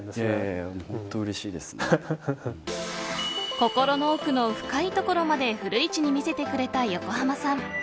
心の奥の深いところまで古市に見せてくれた横浜さん。